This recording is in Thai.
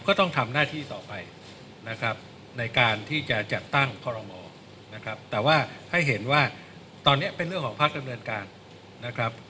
ก็ต้องทำหน้าที่ต่อไปนะครับในการที่จะจัดตั้งคอรมอนะครับแต่ว่าให้เห็นว่าตอนนี้เป็นเรื่องของภาคดำเนินการนะครับ